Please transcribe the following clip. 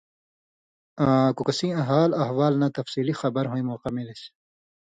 آں کوکسیں حال احوال نہ تفصیلی خبر ہوئیں موقع ملِس۔